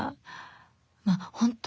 まぁ本当